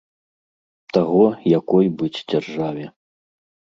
Таго, якой быць дзяржаве.